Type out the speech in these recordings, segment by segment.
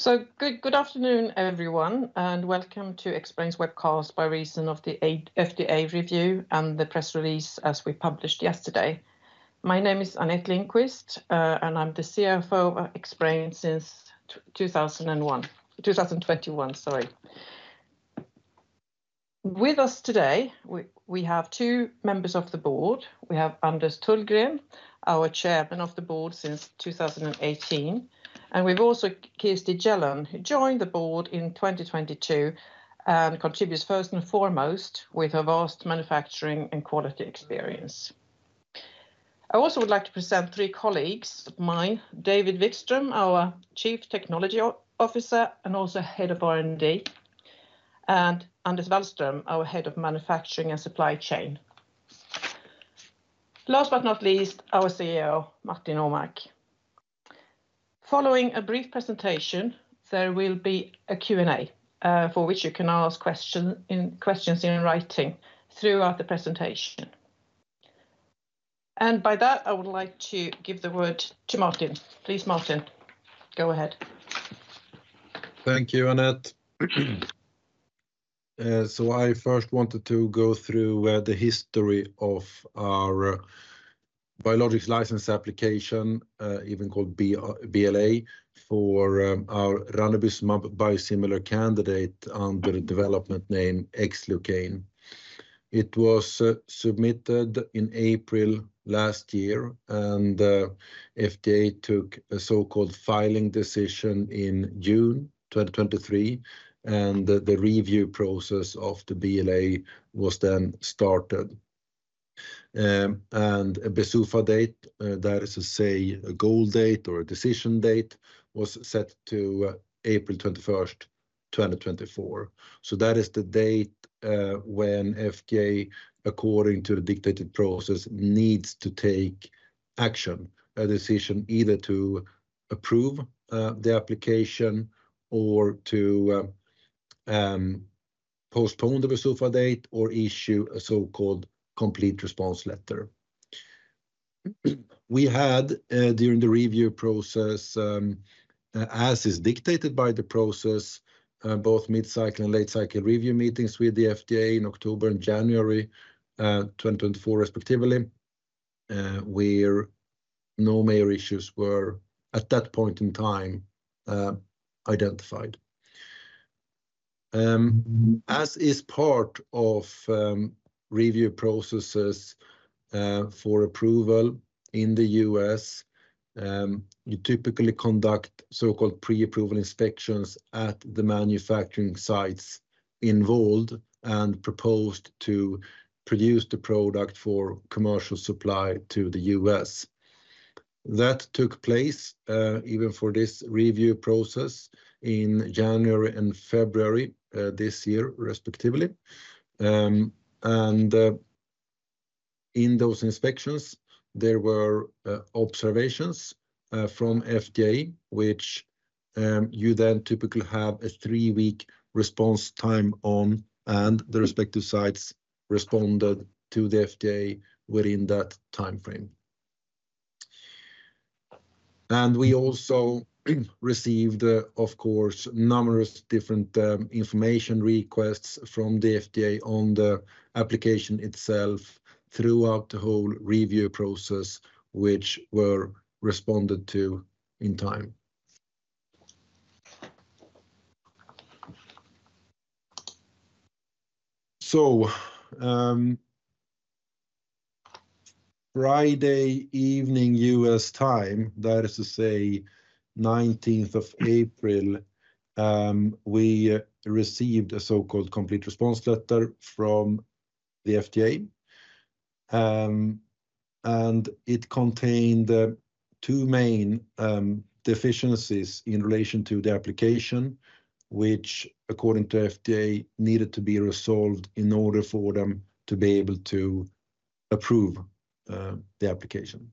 So good afternoon, everyone, and welcome to Xbrane's webcast by reason of the FDA review and the press release as we published yesterday. My name is Anette Lindqvist, and I'm the CFO of Xbrane since 2001, 2021, sorry. With us today, we have two members of the board. We have Anders Tullgren, our Chairman of the Board since 2018, and we've also Kirsti Gjellan, who joined the board in 2022 and contributes first and foremost with her vast manufacturing and quality experience. I also would like to present three colleagues of mine, David Vikström, our Chief Technology Officer and also Head of R&D, and Anders Wallström, our Head of Manufacturing and Supply Chain, last but not least, our CEO, Martin Åmark. Following a brief presentation, there will be a Q&A for which you can ask questions in writing throughout the presentation. By that, I would like to give the word to Martin. Please, Martin, go ahead. Thank you, Anette. So I first wanted to go through the history of our Biologics License Application, also called BLA, for our ranibizumab biosimilar candidate under the development name Xlucane. It was submitted in April last year, and the FDA took a so-called filing decision in June 2023, and the review process of the BLA was then started. And a BsUFA date, that is to say a goal date or a decision date, was set to April 21st, 2024. So that is the date when FDA, according to the dictated process, needs to take action, a decision either to approve the application or to postpone the BsUFA date or issue a so-called Complete Response Letter. We had, during the review process, as is dictated by the process, both mid-cycle and late-cycle review meetings with the FDA in October and January 2024, respectively, where no major issues were at that point in time identified. As is part of review processes for approval in the U.S., you typically conduct so-called pre-approval inspections at the manufacturing sites involved and proposed to produce the product for commercial supply to the U.S. That took place even for this review process in January and February this year, respectively. In those inspections, there were observations from FDA, which you then typically have a three-week response time on, and the respective sites responded to the FDA within that time frame. We also received, of course, numerous different information requests from the FDA on the application itself throughout the whole review process, which were responded to in time. So Friday evening U.S. time, that is to say 19th of April, we received a so-called Complete Response Letter from the FDA. It contained two main deficiencies in relation to the application, which, according to FDA, needed to be resolved in order for them to be able to approve the application.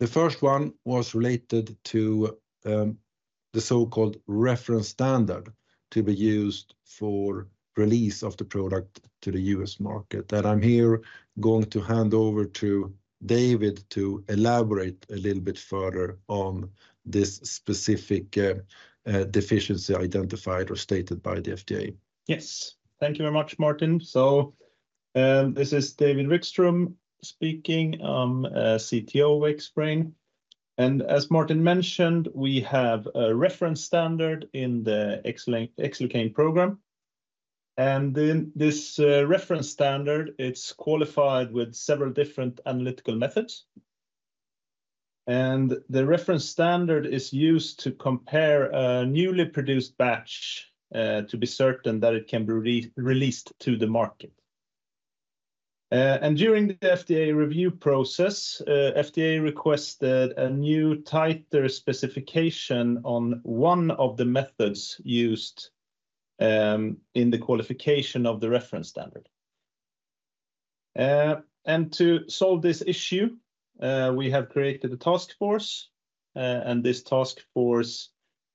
The first one was related to the so-called Reference Standard to be used for release of the product to the U.S. market, and I'm here going to hand over to David to elaborate a little bit further on this specific deficiency identified or stated by the FDA. Yes, thank you very much, Martin. So this is David Vikström speaking, CTO with Xbrane. And as Martin mentioned, we have a Reference Standard in the Xlucane program. And this Reference Standard, it's qualified with several different analytical methods. And the Reference Standard is used to compare a newly produced batch to be certain that it can be released to the market. And during the FDA review process, FDA requested a new tighter specification on one of the methods used in the qualification of the Reference Standard. And to solve this issue, we have created a task force, and this task force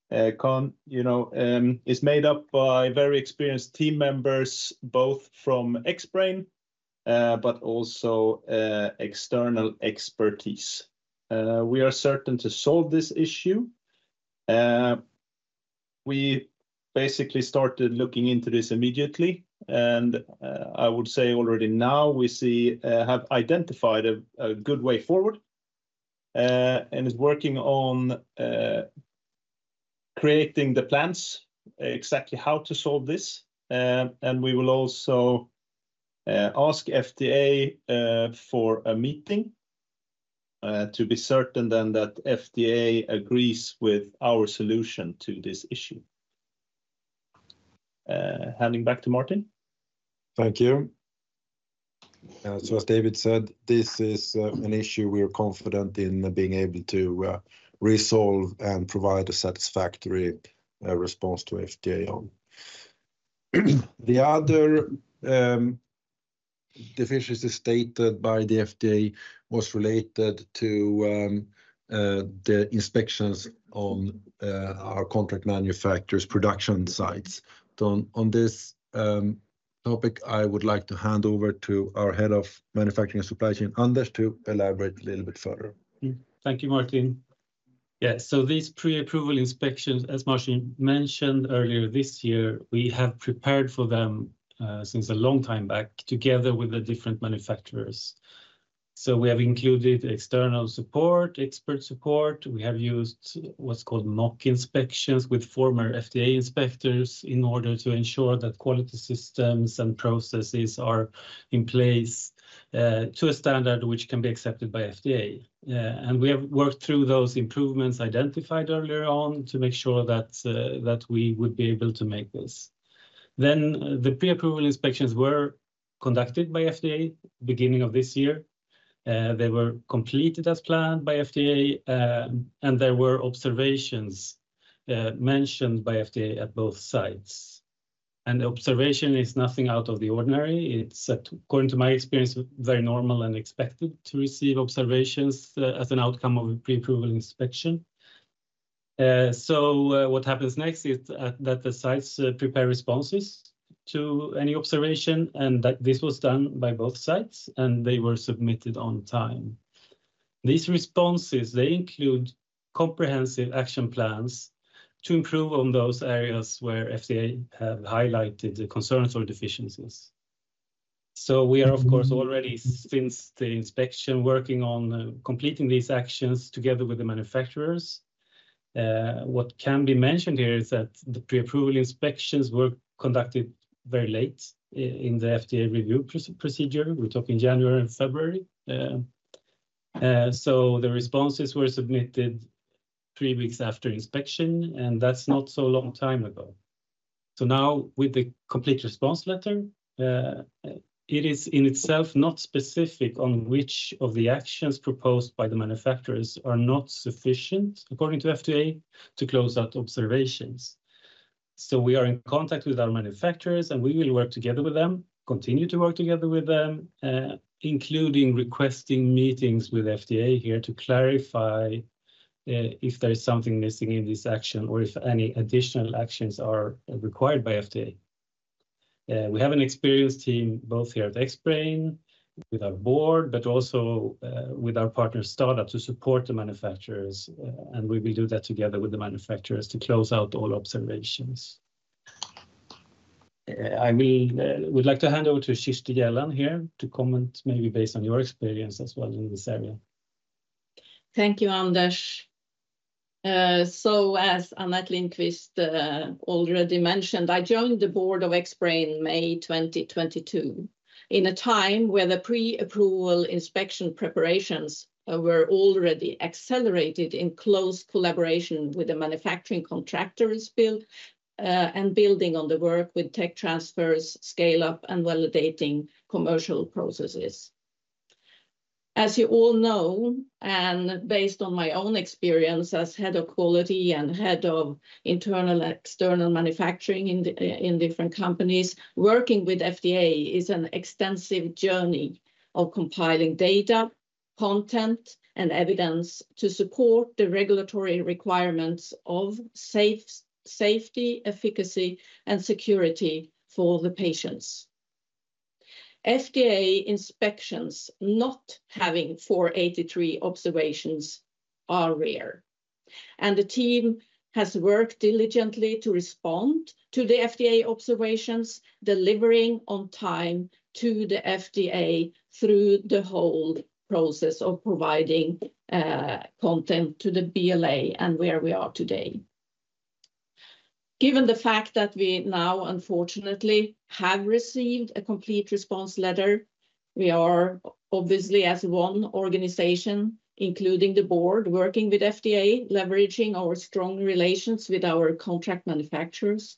is made up by very experienced team members, both from Xbrane but also external expertise. We are certain to solve this issue. We basically started looking into this immediately, and I would say already now we have identified a good way forward and is working on creating the plans exactly how to solve this. We will also ask FDA for a meeting to be certain then that FDA agrees with our solution to this issue. Handing back to Martin. Thank you. As David said, this is an issue we are confident in being able to resolve and provide a satisfactory response to FDA on. The other deficiency stated by the FDA was related to the inspections on our contract manufacturers' production sites. On this topic, I would like to hand over to our Head of Manufacturing and Supply Chain, Anders, to elaborate a little bit further. Thank you, Martin. Yeah, so these pre-approval inspections, as Martin mentioned earlier this year, we have prepared for them since a long time back together with the different manufacturers. We have included external support, expert support. We have used what's called mock inspections with former FDA inspectors in order to ensure that quality systems and processes are in place to a standard which can be accepted by FDA. We have worked through those improvements identified earlier on to make sure that we would be able to make this. The pre-approval inspections were conducted by FDA beginning of this year. They were completed as planned by FDA, and there were observations mentioned by FDA at both sites. The observation is nothing out of the ordinary. It's, according to my experience, very normal and expected to receive observations as an outcome of a pre-approval inspection. So what happens next is that the sites prepare responses to any observation, and this was done by both sites, and they were submitted on time. These responses, they include comprehensive action plans to improve on those areas where FDA have highlighted the concerns or deficiencies. So we are, of course, already since the inspection working on completing these actions together with the manufacturers. What can be mentioned here is that the pre-approval inspections were conducted very late in the FDA review procedure. We're talking January and February. So the responses were submitted three weeks after inspection, and that's not so long ago. So now, with the Complete Response Letter, it is in itself not specific on which of the actions proposed by the manufacturers are not sufficient, according to FDA, to close out observations. So we are in contact with our manufacturers, and we will work together with them, continue to work together with them, including requesting meetings with FDA here to clarify if there is something missing in this action or if any additional actions are required by FDA. We have an experienced team both here at Xbrane with our board but also with our partner STADA to support the manufacturers, and we will do that together with the manufacturers to close out all observations. I would like to hand over to Kirsti Gjellan here to comment maybe based on your experience as well in this area. Thank you, Anders. So, as Anette Lindqvist already mentioned, I joined the board of Xbrane, May 2022, in a time where the pre-approval inspection preparations were already accelerated in close collaboration with the manufacturing contractors and building on the work with tech transfers, scale-up, and validating commercial processes. As you all know, and based on my own experience as Head of Quality and Head of Internal and External Manufacturing in different companies, working with FDA is an extensive journey of compiling data, content, and evidence to support the regulatory requirements of safety, efficacy, and security for the patients. FDA inspections not having 483 observations are rare, and the team has worked diligently to respond to the FDA observations, delivering on time to the FDA through the whole process of providing content to the BLA and where we are today. Given the fact that we now, unfortunately, have received a Complete Response Letter, we are obviously, as one organization, including the board, working with FDA, leveraging our strong relations with our contract manufacturers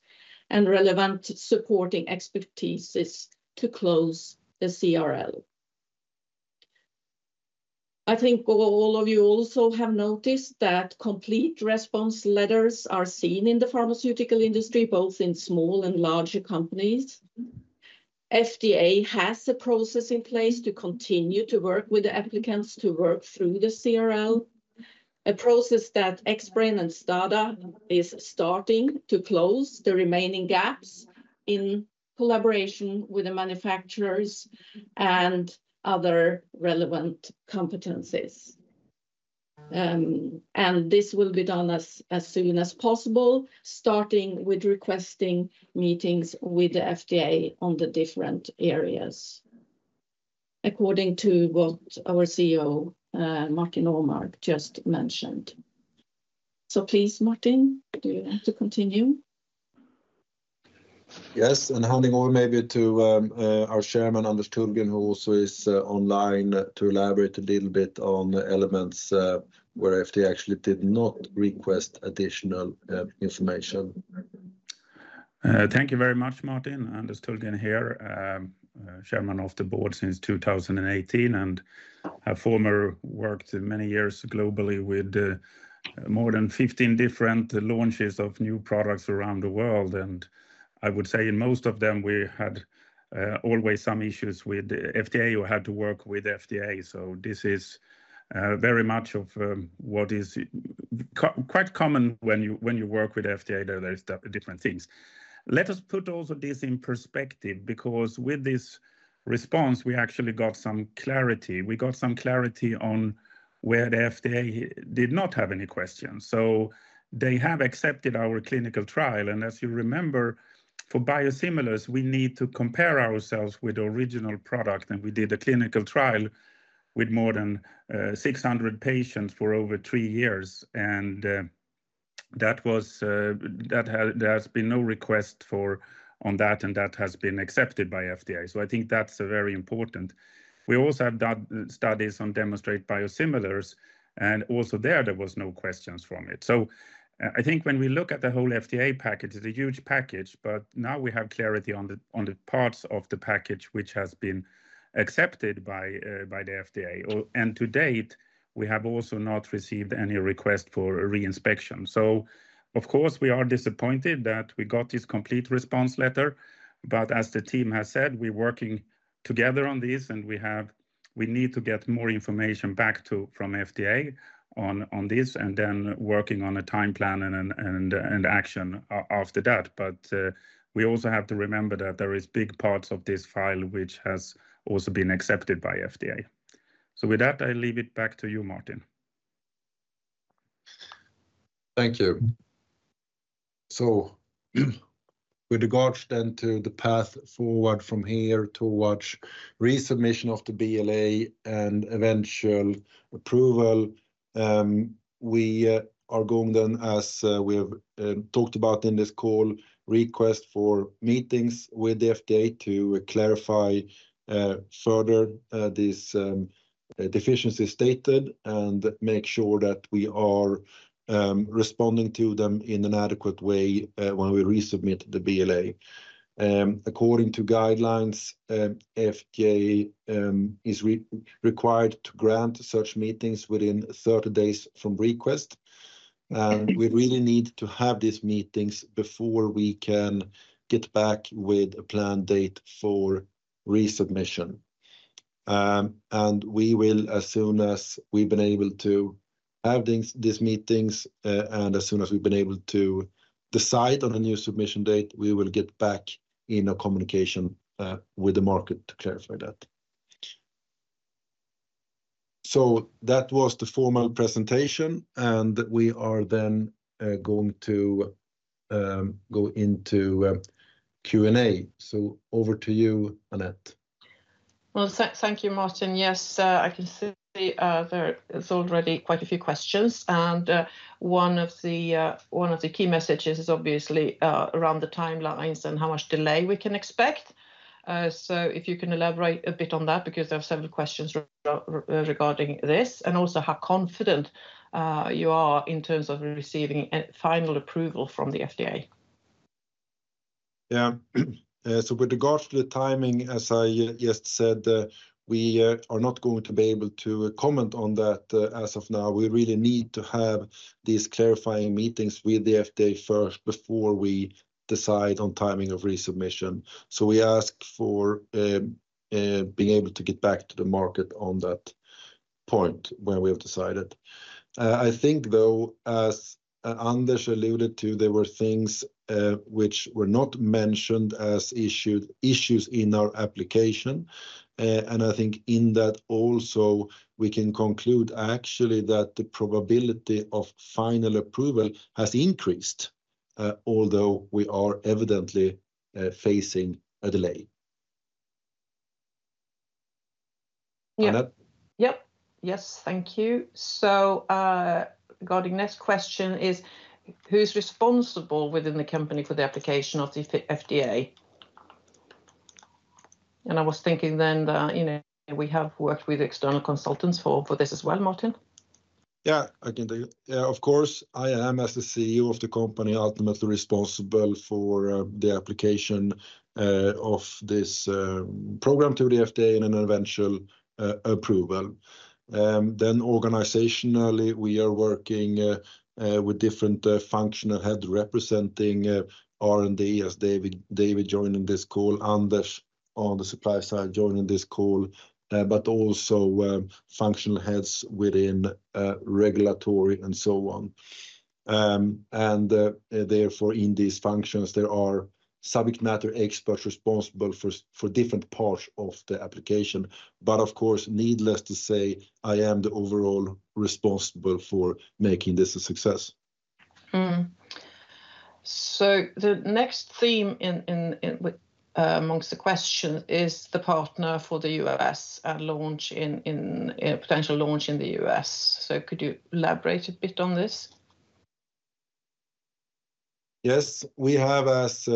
and relevant supporting expertise to close the CRL. I think all of you also have noticed that Complete Response Letters are seen in the pharmaceutical industry, both in small and larger companies. FDA has a process in place to continue to work with the applicants to work through the CRL, a process that Xbrane and STADA is starting to close the remaining gaps in collaboration with the manufacturers and other relevant competencies. And this will be done as soon as possible, starting with requesting meetings with the FDA on the different areas, according to what our CEO, Martin Åmark, just mentioned. So please, Martin, do you want to continue? Yes, and handing over maybe to our Chairman, Anders Tullgren, who also is online to elaborate a little bit on elements where FDA actually did not request additional information. Thank you very much, Martin. Anders Tullgren here, Chairman of the Board since 2018, and have formerly worked many years globally with more than 15 different launches of new products around the world. I would say in most of them, we had always some issues with FDA or had to work with FDA. This is very much of what is quite common when you work with FDA. There are different things. Let us put also this in perspective because with this response, we actually got some clarity. We got some clarity on where the FDA did not have any questions. They have accepted our clinical trial. As you remember, for biosimilars, we need to compare ourselves with the original product, and we did a clinical trial with more than 600 patients for over three years. And there has been no request on that, and that has been accepted by FDA. So I think that's very important. We also have done studies on demonstrated biosimilars, and also there, there were no questions from it. So I think when we look at the whole FDA package, it's a huge package, but now we have clarity on the parts of the package which have been accepted by the FDA. And to date, we have also not received any request for reinspection. So, of course, we are disappointed that we got this Complete Response Letter. But as the team has said, we're working together on this, and we need to get more information back from FDA on this and then working on a time plan and action after that. We also have to remember that there are big parts of this file which have also been accepted by FDA. With that, I leave it back to you, Martin. Thank you. So with regards then to the path forward from here towards resubmission of the BLA and eventual approval, we are going then, as we have talked about in this call, request for meetings with the FDA to clarify further these deficiencies stated and make sure that we are responding to them in an adequate way when we resubmit the BLA. According to guidelines, FDA is required to grant such meetings within 30 days from request. And we really need to have these meetings before we can get back with a planned date for resubmission. And we will, as soon as we've been able to have these meetings, and as soon as we've been able to decide on a new submission date, we will get back in communication with the market to clarify that. So that was the formal presentation, and we are then going to go into Q&A. So over to you, Anette. Well, thank you, Martin. Yes, I can see there are already quite a few questions. One of the key messages is obviously around the timelines and how much delay we can expect. If you can elaborate a bit on that because there are several questions regarding this, and also how confident you are in terms of receiving final approval from the FDA. Yeah. So with regards to the timing, as I just said, we are not going to be able to comment on that as of now. We really need to have these clarifying meetings with the FDA first before we decide on timing of resubmission. So we ask for being able to get back to the market on that point when we have decided. I think, though, as Anders alluded to, there were things which were not mentioned as issues in our application. And I think in that also, we can conclude actually that the probability of final approval has increased, although we are evidently facing a delay. Thank you. So regarding the next question is, who's responsible within the company for the application of the FDA? And I was thinking then that we have worked with external consultants for this as well, Martin. Yeah, I can do. Yeah, of course, I am, as the CEO of the company, ultimately responsible for the application of this program to the FDA and an eventual approval. Then organizationally, we are working with different functional heads representing R&D, as David joined in this call, Anders on the supply side joined in this call, but also functional heads within regulatory and so on. And therefore, in these functions, there are subject matter experts responsible for different parts of the application. But of course, needless to say, I am the overall responsible for making this a success. The next theme among the questions is the partner for the U.S. and potential launch in the U.S. So could you elaborate a bit on this? Yes, we have, as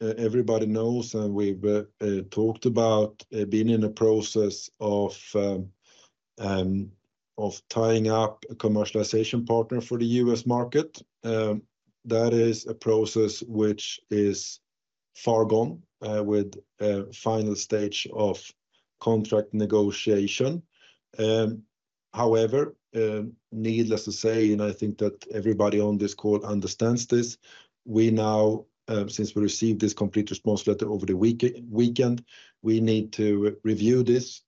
everybody knows, and we've talked about, been in a process of tying up a commercialization partner for the U.S. market. That is a process which is far gone with the final stage of contract negotiation. However, needless to say, and I think that everybody on this call understands this, we now, since we received this Complete Response Letter over the weekend, we need to review this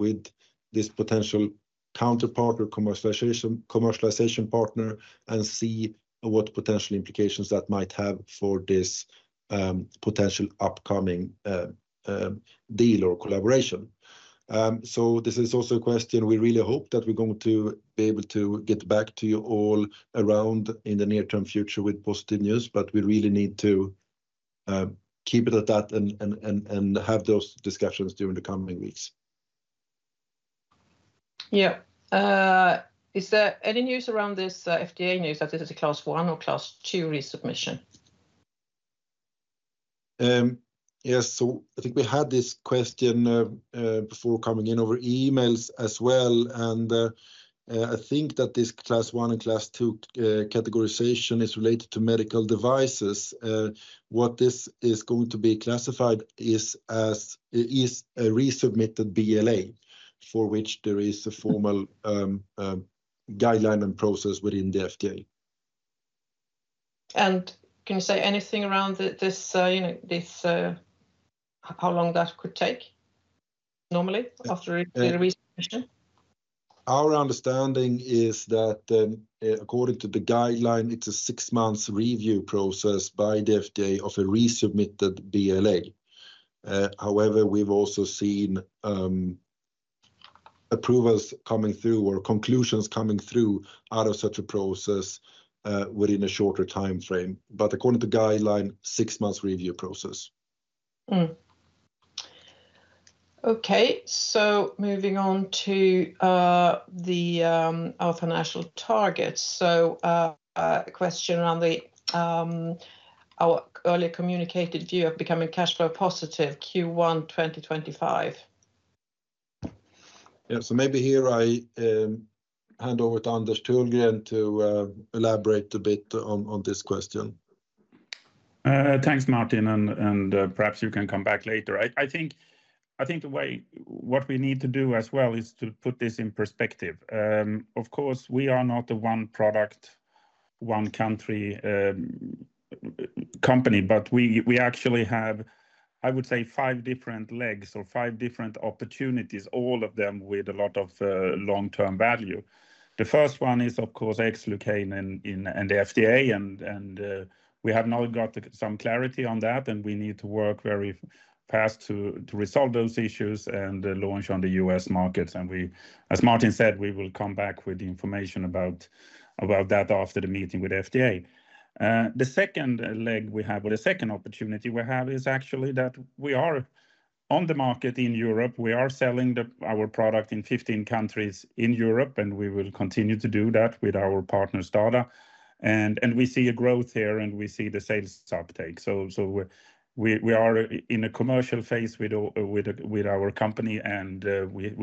with this potential counterpart or commercialization partner and see what potential implications that might have for this potential upcoming deal or collaboration. So this is also a question we really hope that we're going to be able to get back to you all around in the near-term future with positive news, but we really need to keep it at that and have those discussions during the coming weeks. Yeah. Is there any news around this FDA news that this is a Class 1 or Class 2 resubmission? Yes, so I think we had this question before coming in over emails as well. I think that this Class 1 and Class 2 categorization is related to medical devices. What this is going to be classified is as a resubmitted BLA for which there is a formal guideline and process within the FDA. Can you say anything around how long that could take normally after the resubmission? Our understanding is that according to the guideline, it's a six-month review process by the FDA of a resubmitted BLA. However, we've also seen approvals coming through or conclusions coming through out of such a process within a shorter time frame. But according to the guideline, six-month review process. Okay, moving on to our financial targets. A question around our earlier communicated view of becoming cash flow positive Q1 2025. Yeah, so maybe here I hand over to Anders Tullgren to elaborate a bit on this question. Thanks, Martin, and perhaps you can come back later. I think the way what we need to do as well is to put this in perspective. Of course, we are not the one product, one country company, but we actually have, I would say, five different legs or five different opportunities, all of them with a lot of long-term value. The first one is, of course, Xlucane and the FDA, and we have now got some clarity on that, and we need to work very fast to resolve those issues and launch on the US markets. And as Martin said, we will come back with information about that after the meeting with the FDA. The second leg we have or the second opportunity we have is actually that we are on the market in Europe. We are selling our product in 15 countries in Europe, and we will continue to do that with our partner STADA. We see a growth here, and we see the sales uptake. We are in a commercial phase with our company, and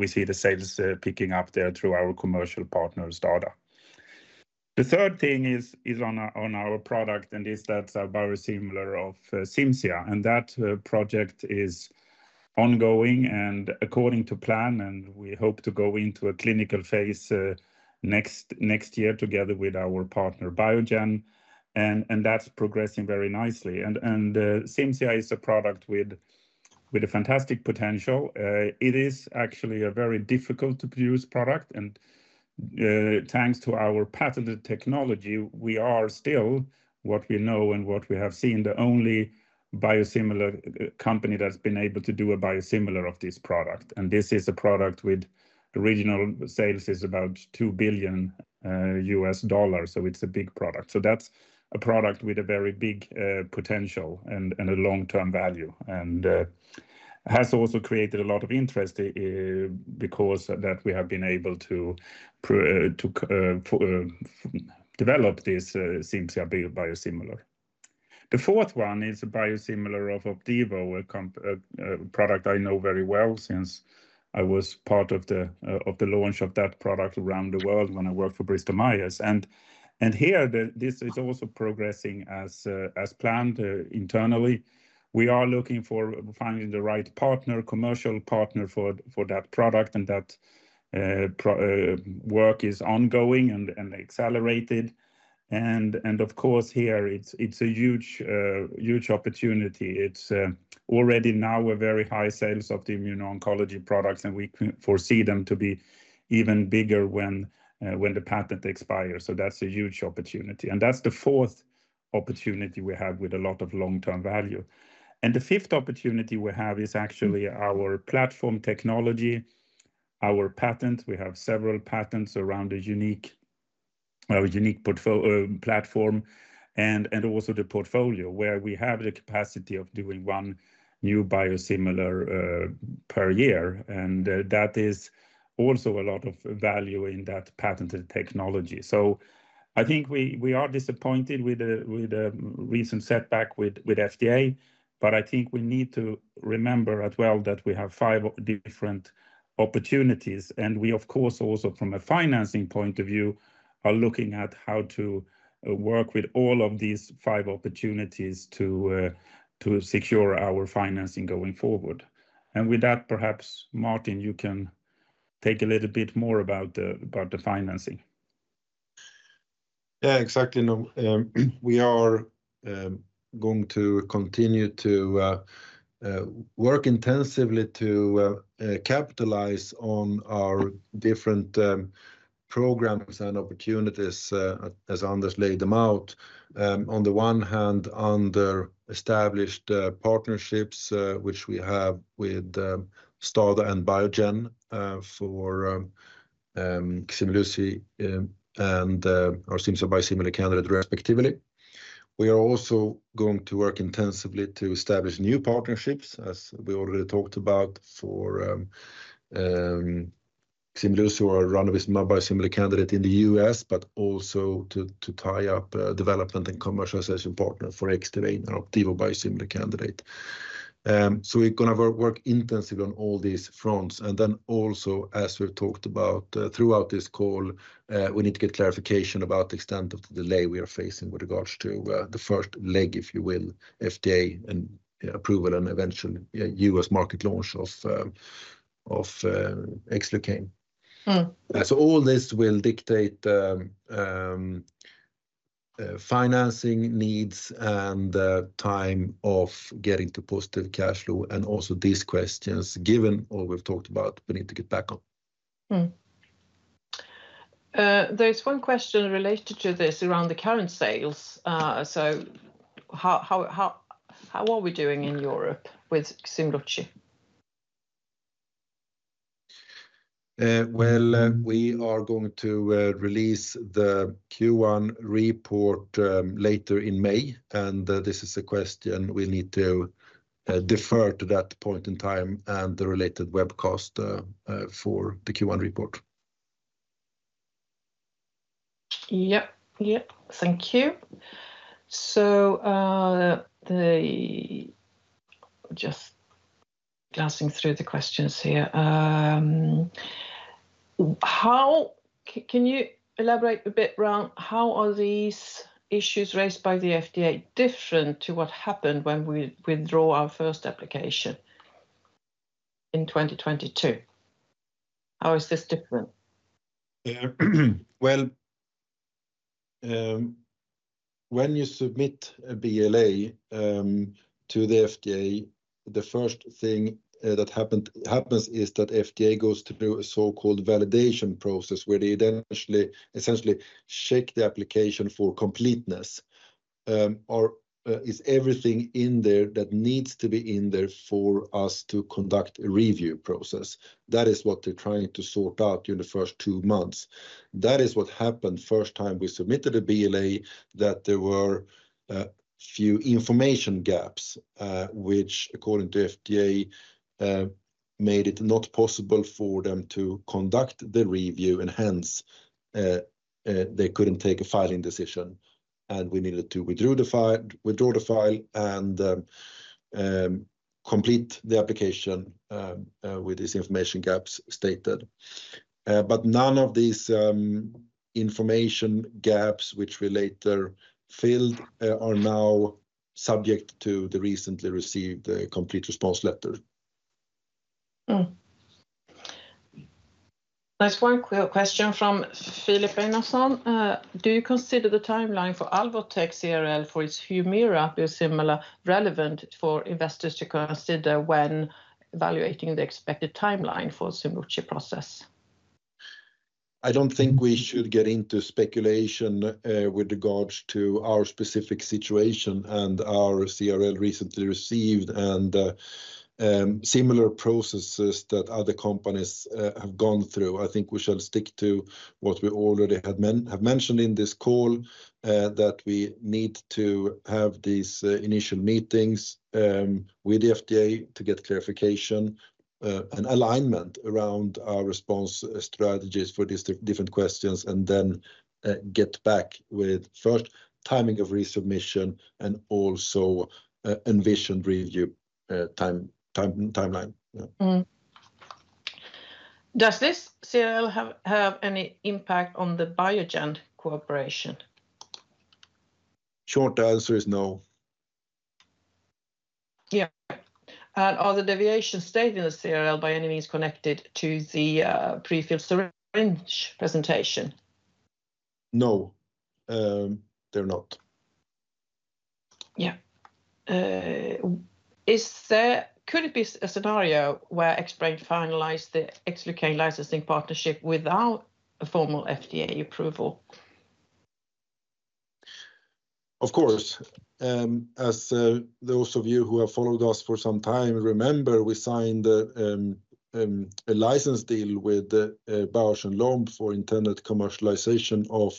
we see the sales picking up there through our commercial partner STADA. The third thing is on our product, and this is our biosimilar of Cimzia. That project is ongoing and according to plan, and we hope to go into a clinical phase next year together with our partner Biogen. That's progressing very nicely. Cimzia is a product with a fantastic potential. It is actually a very difficult-to-produce product. Thanks to our patented technology, we are still, what we know and what we have seen, the only biosimilar company that's been able to do a biosimilar of this product. And this is a product with original sales is about $2 billion. So it's a big product. So that's a product with a very big potential and a long-term value and has also created a lot of interest because that we have been able to develop this Cimzia biosimilar. The fourth one is a biosimilar of Opdivo, a product I know very well since I was part of the launch of that product around the world when I worked for Bristol Myers. And here, this is also progressing as planned internally. We are looking for finding the right partner, commercial partner for that product, and that work is ongoing and accelerated. And of course, here, it's a huge opportunity. It's already now a very high sales of the immuno-oncology products, and we foresee them to be even bigger when the patent expires. So that's a huge opportunity. That's the fourth opportunity we have with a lot of long-term value. The fifth opportunity we have is actually our platform technology, our patent. We have several patents around a unique platform and also the portfolio where we have the capacity of doing one new biosimilar per year. And that is also a lot of value in that patented technology. So I think we are disappointed with the recent setback with FDA, but I think we need to remember as well that we have five different opportunities. And we, of course, also from a financing point of view, are looking at how to work with all of these five opportunities to secure our financing going forward. And with that, perhaps, Martin, you can take a little bit more about the financing. Yeah, exactly. We are going to continue to work intensively to capitalize on our different programs and opportunities, as Anders laid them out. On the one hand, under established partnerships which we have with STADA and Biogen for Ximluci and our Cimzia biosimilar candidate. Respectively. We are also going to work intensively to establish new partnerships, as we already talked about, for Ximluci, our ranibizumab biosimilar candidate in the U.S., but also to tie up development and commercialization partner for Xdivane, our Opdivo biosimilar candidate. So we're going to work intensively on all these fronts. And then also, as we've talked about throughout this call, we need to get clarification about the extent of the delay we are facing with regards to the first leg, if you will, FDA approval and eventually U.S. market launch of Xlucane. So all this will dictate financing needs and time of getting to positive cash flow, and also these questions. Given all we've talked about, we need to get back on. There is one question related to this around the current sales. So how are we doing in Europe with Ximluci? Well, we are going to release the Q1 report later in May. This is a question we need to defer to that point in time and the related webcast for the Q1 report. Yep. Yep. Thank you. So just glancing through the questions here. Can you elaborate a bit around how are these issues raised by the FDA different to what happened when we withdraw our first application in 2022? How is this different? Well, when you submit a BLA to the FDA, the first thing that happens is that FDA goes through a so-called validation process where they essentially shake the application for completeness. Is everything in there that needs to be in there for us to conduct a review process? That is what they're trying to sort out during the first two months. That is what happened first time we submitted a BLA, that there were a few information gaps which, according to FDA, made it not possible for them to conduct the review and hence they couldn't take a filing decision. And we needed to withdraw the file and complete the application with these information gaps stated. But none of these information gaps which were later filled are now subject to the recently received Complete Response Letter. There's one quick question from Filip Einarsson. Do you consider the timeline for Alvotech CRL for its Humira biosimilar relevant for investors to consider when evaluating the expected timeline for the Ximluci process? I don't think we should get into speculation with regards to our specific situation and our CRL recently received and similar processes that other companies have gone through. I think we shall stick to what we already have mentioned in this call, that we need to have these initial meetings with the FDA to get clarification and alignment around our response strategies for these different questions and then get back with first timing of resubmission and also envisioned review timeline. Does this CRL have any impact on the Biogen cooperation? Short answer is no. Yeah. And are the deviations stated in the CRL by any means connected to the prefilled syringe presentation? No, they're not. Yeah. Could it be a scenario where Xbrane finalized the Xlucane licensing partnership without a formal FDA approval? Of course. As those of you who have followed us for some time remember, we signed a license deal with Bausch + Lomb for intended commercialization of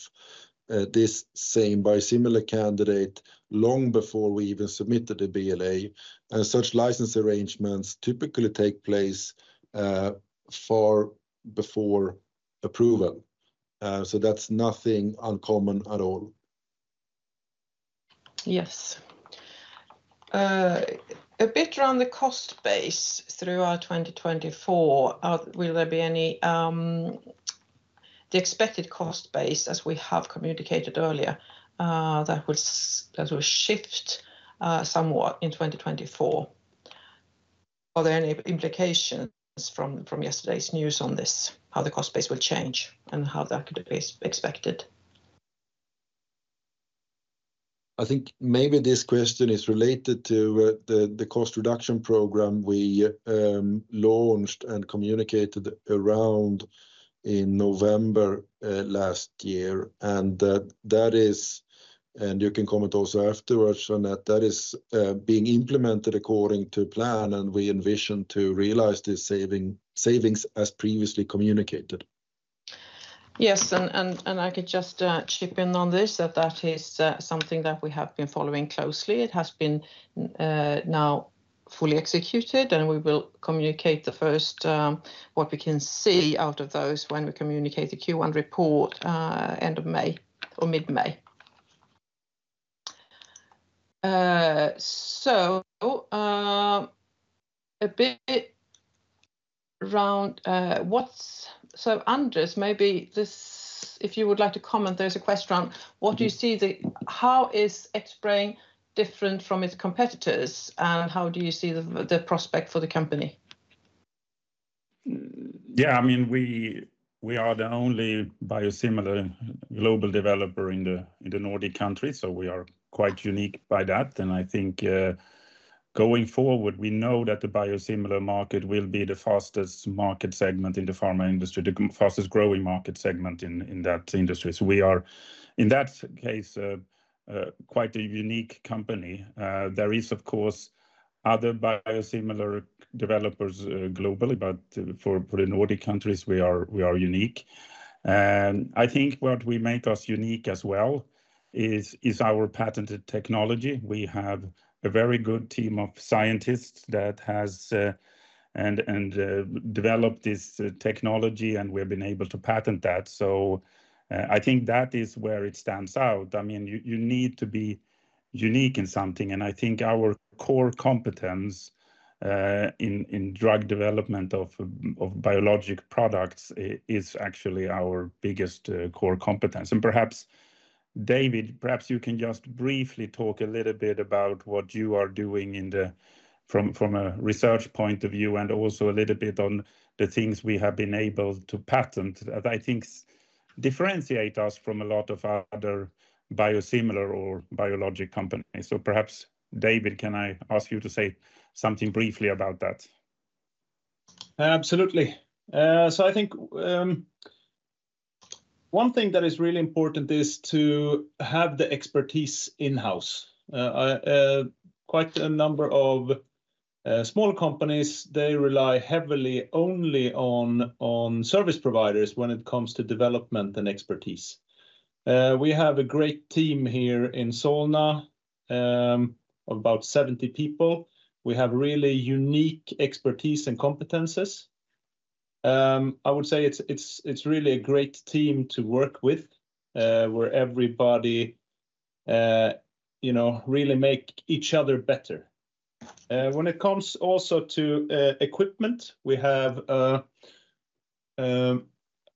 this same biosimilar candidate long before we even submitted the BLA. Such license arrangements typically take place far before approval. That's nothing uncommon at all. Yes. A bit around the cost base throughout 2024, will there be any the expected cost base, as we have communicated earlier, that will shift somewhat in 2024? Are there any implications from yesterday's news on this, how the cost base will change and how that could be expected? I think maybe this question is related to the cost reduction program we launched and communicated around in November last year. You can comment also afterwards, Anette, that is being implemented according to plan, and we envision to realize these savings as previously communicated. Yes, and I could just chip in on this that that is something that we have been following closely. It has been now fully executed, and we will communicate the first what we can see out of those when we communicate the Q1 report end of May or mid-May. So a bit around what's, so Anders, maybe if you would like to comment, there's a question around what do you see the how is Xbrane different from its competitors, and how do you see the prospect for the company? Yeah, I mean, we are the only biosimilar global developer in the Nordic countries, so we are quite unique by that. And I think going forward, we know that the biosimilar market will be the fastest market segment in the pharma industry, the fastest growing market segment in that industry. So we are, in that case, quite a unique company. There is, of course, other biosimilar developers globally, but for the Nordic countries, we are unique. And I think what we make us unique as well is our patented technology. We have a very good team of scientists that has developed this technology, and we have been able to patent that. So I think that is where it stands out. I mean, you need to be unique in something. And I think our core competence in drug development of biologic products is actually our biggest core competence. Perhaps, David, perhaps you can just briefly talk a little bit about what you are doing from a research point of view and also a little bit on the things we have been able to patent that I think differentiate us from a lot of other biosimilar or biologic companies. Perhaps, David, can I ask you to say something briefly about that? Absolutely. So I think one thing that is really important is to have the expertise in-house. Quite a number of small companies, they rely heavily only on service providers when it comes to development and expertise. We have a great team here in Solna of about 70 people. We have really unique expertise and competencies. I would say it's really a great team to work with where everybody really makes each other better. When it comes also to equipment, we have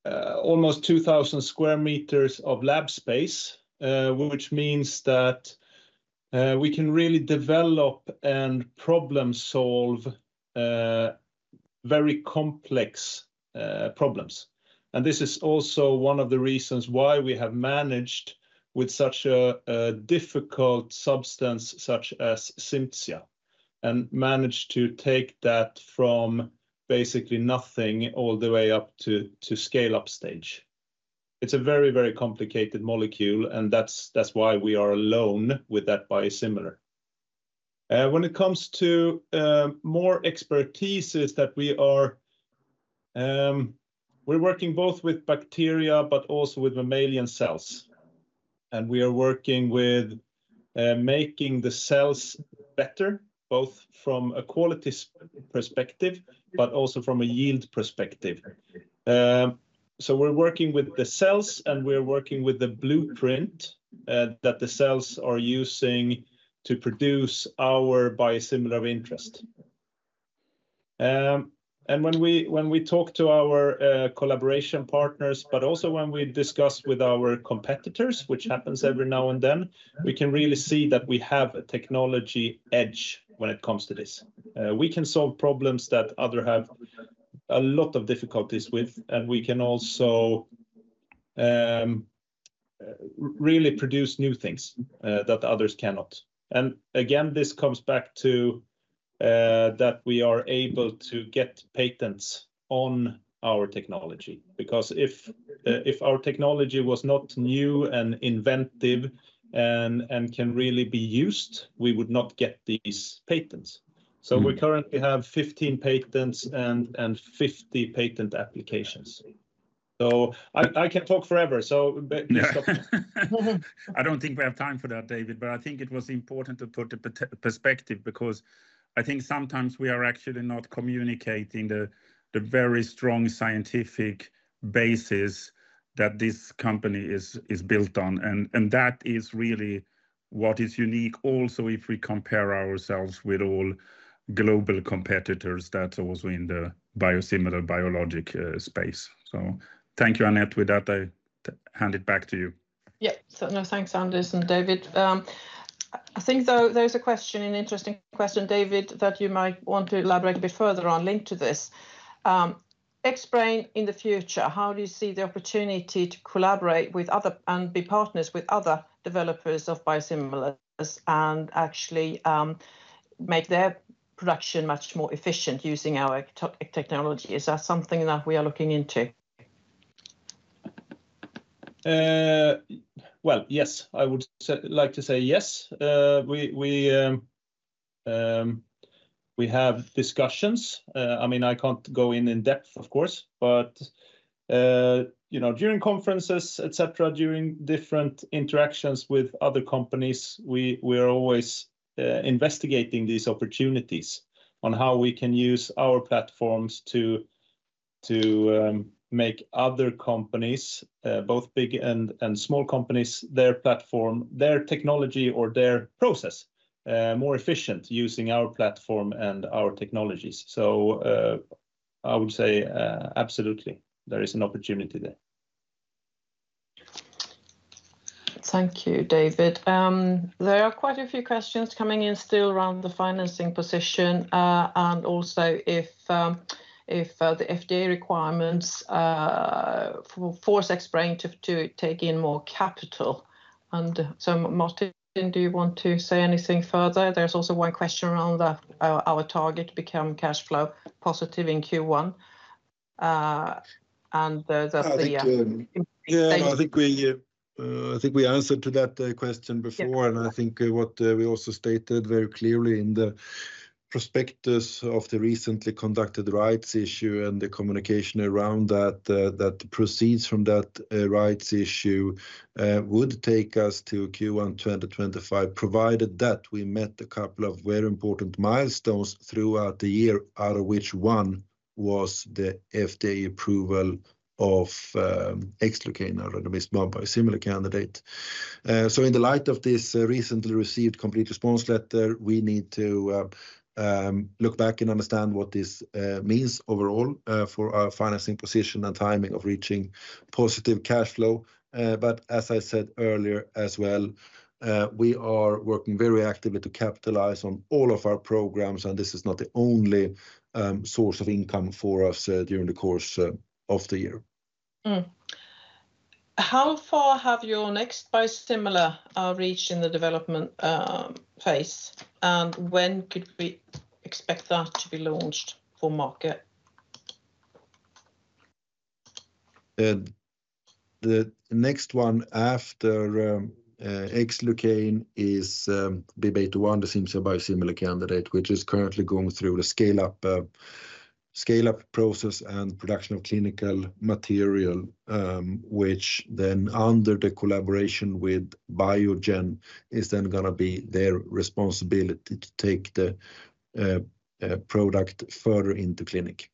almost 2,000 square meters of lab space, which means that we can really develop and problem-solve very complex problems. And this is also one of the reasons why we have managed with such a difficult substance such as Cimzia and managed to take that from basically nothing all the way up to scale-up stage. It's a very, very complicated molecule, and that's why we are alone with that biosimilar. When it comes to more expertise that we're working both with bacteria but also with mammalian cells. We are working with making the cells better, both from a quality perspective but also from a yield perspective. So we're working with the cells, and we're working with the blueprint that the cells are using to produce our biosimilar of interest. When we talk to our collaboration partners, but also when we discuss with our competitors, which happens every now and then, we can really see that we have a technology edge when it comes to this. We can solve problems that others have a lot of difficulties with, and we can also really produce new things that others cannot. Again, this comes back to that we are able to get patents on our technology. Because if our technology was not new and inventive and can really be used, we would not get these patents. So we currently have 15 patents and 50 patent applications. So I can talk forever, so please stop. I don't think we have time for that, David, but I think it was important to put the perspective because I think sometimes we are actually not communicating the very strong scientific basis that this company is built on. And that is really what is unique also if we compare ourselves with all global competitors that's also in the biosimilar biologic space. So thank you, Anette, with that, I hand it back to you. Yep. So no, thanks, Anders and David. I think though there's a question, an interesting question, David, that you might want to elaborate a bit further on, linked to this. Xbrane, in the future, how do you see the opportunity to collaborate with other and be partners with other developers of biosimilars and actually make their production much more efficient using our technology? Is that something that we are looking into? Well, yes, I would like to say yes. We have discussions. I mean, I can't go in in depth, of course, but during conferences, etc., during different interactions with other companies, we are always investigating these opportunities on how we can use our platforms to make other companies, both big and small companies, their platform, their technology, or their process more efficient using our platform and our technologies. So I would say absolutely, there is an opportunity there. Thank you, David. There are quite a few questions coming in still around the financing position and also if the FDA requirements force Xbrane to take in more capital. And so, Martin, do you want to say anything further? There's also one question around our target to become cash flow positive in Q1. I think we answered to that question before, and I think what we also stated very clearly in the prospectus of the recently conducted rights issue and the communication around that, that the proceeds from that rights issue would take us to Q1 2025 provided that we met a couple of very important milestones throughout the year, out of which one was the FDA approval of Xlucane, our ranibizumab biosimilar candidate. In the light of this recently received Complete Response Letter, we need to look back and understand what this means overall for our financing position and timing of reaching positive cash flow. As I said earlier as well, we are working very actively to capitalize on all of our programs, and this is not the only source of income for us during the course of the year. How far have your next biosimilar reached in the development phase, and when could we expect that to be launched for market? The next one after Xlucane is BIIB801, the Cimzia biosimilar candidate, which is currently going through the scale-up process and production of clinical material, which then under the collaboration with Biogen is then going to be their responsibility to take the product further into clinic.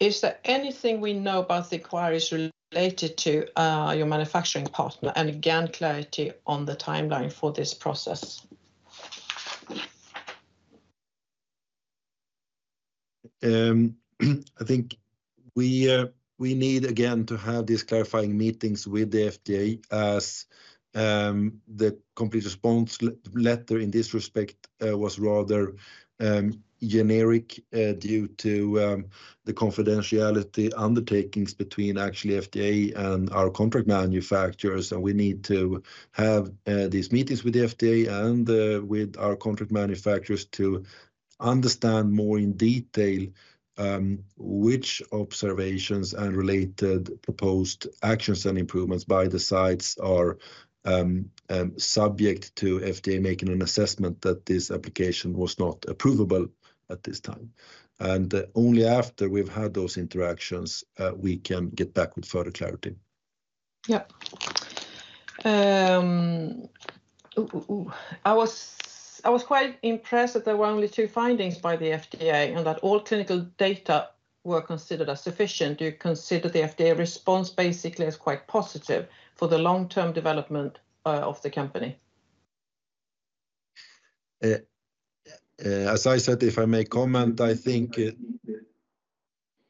Is there anything we know about the inquiries related to your manufacturing partner and again clarity on the timeline for this process? I think we need again to have these clarifying meetings with the FDA as the Complete Response Letter in this respect was rather generic due to the confidentiality undertakings between actually FDA and our contract manufacturers. We need to have these meetings with the FDA and with our contract manufacturers to understand more in detail which observations and related proposed actions and improvements by the sites are subject to FDA making an assessment that this application was not approvable at this time. Only after we've had those interactions, we can get back with further clarity. Yeah. I was quite impressed that there were only two findings by the FDA and that all clinical data were considered as sufficient. Do you consider the FDA response basically as quite positive for the long-term development of the company? As I said, if I may comment, I think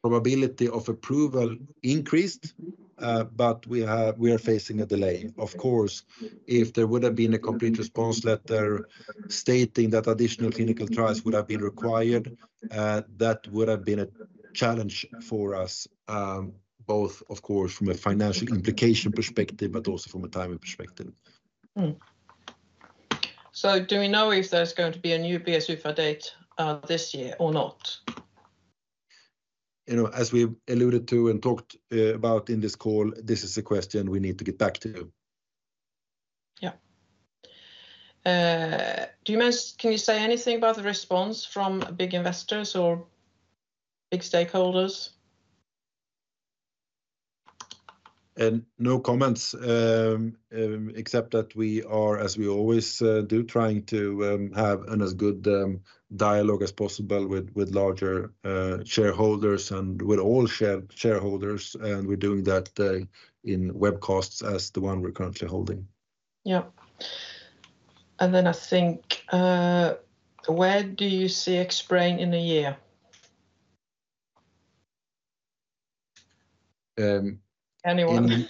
probability of approval increased, but we are facing a delay. Of course, if there would have been a Complete Response Letter stating that additional clinical trials would have been required, that would have been a challenge for us, both, of course, from a financial implication perspective, but also from a timing perspective. Do we know if there's going to be a new BsUFA date this year or not? As we alluded to and talked about in this call, this is a question we need to get back to. Yeah. Can you say anything about the response from big investors or big stakeholders? No comments, except that we are, as we always do, trying to have as good a dialogue as possible with larger shareholders and with all shareholders. We're doing that in webcasts as the one we're currently holding. Yeah. And then I think where do you see Xbrane in a year? Anyone?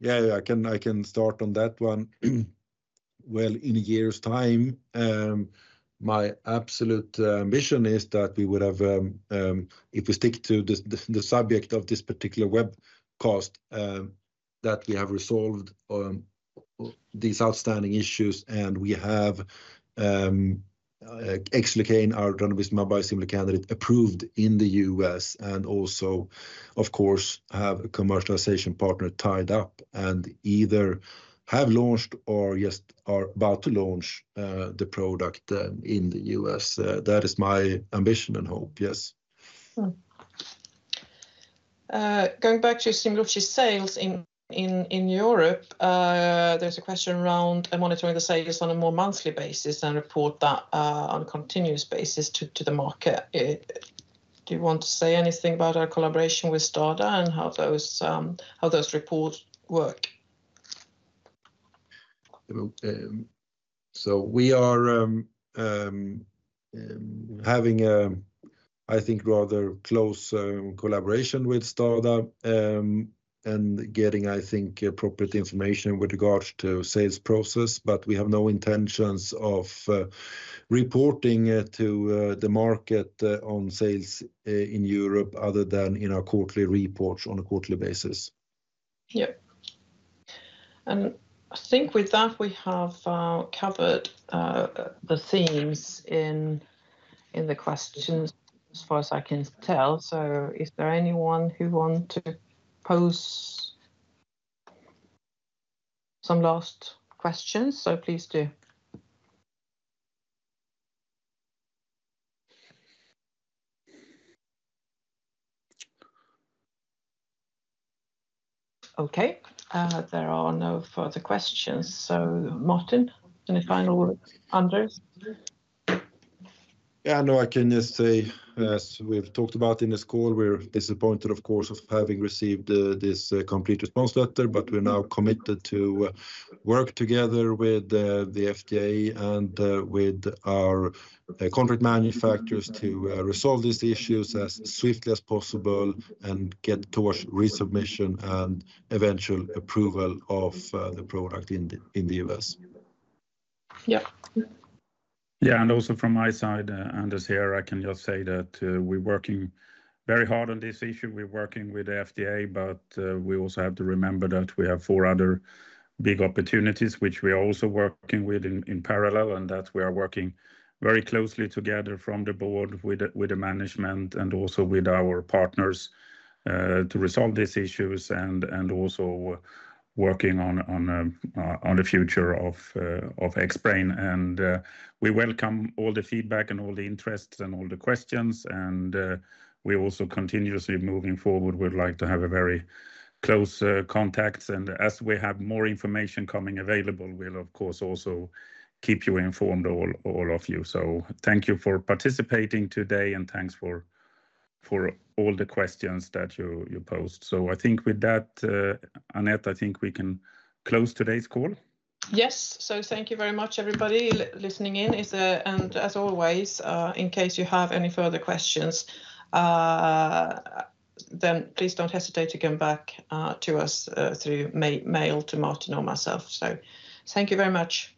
Yeah, I can start on that one. Well, in a year's time, my absolute ambition is that we would have if we stick to the subject of this particular webcast, that we have resolved these outstanding issues and we have Xlucane, our ranibizumab biosimilar candidate, approved in the U.S. and also, of course, have a commercialization partner tied up and either have launched or just are about to launch the product in the U.S. That is my ambition and hope, yes. Going back to Ximluci's sales in Europe, there's a question around monitoring the sales on a more monthly basis and report that on a continuous basis to the market. Do you want to say anything about our collaboration with STADA and how those reports work? So we are having, I think, rather close collaboration with STADA and getting, I think, appropriate information with regards to sales process. But we have no intentions of reporting to the market on sales in Europe other than in our quarterly reports on a quarterly basis. Yeah. And I think with that, we have covered the themes in the questions as far as I can tell. So is there anyone who wants to pose some last questions? So please do. Okay. There are no further questions. So Martin, any final words? Anders? Yeah, no, I can just say, as we've talked about in this call, we're disappointed, of course, of having received this Complete Response Letter, but we're now committed to work together with the FDA and with our contract manufacturers to resolve these issues as swiftly as possible and get towards resubmission and eventual approval of the product in the U.S. Yeah. Yeah, and also from my side, Anders here, I can just say that we're working very hard on this issue. We're working with the FDA, but we also have to remember that we have four other big opportunities, which we are also working with in parallel, and that we are working very closely together from the board with the management and also with our partners to resolve these issues and also working on the future of Xbrane. We welcome all the feedback and all the interests and all the questions. We also continuously moving forward, we'd like to have very close contacts. And as we have more information coming available, we'll, of course, also keep you informed, all of you. So thank you for participating today, and thanks for all the questions that you posed. So I think with that, Anette, I think we can close today's call. Yes. So thank you very much, everybody listening in. And as always, in case you have any further questions, then please don't hesitate to come back to us through mail to Martin or myself. So thank you very much.